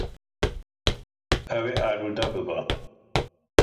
Ew ê arode bibe.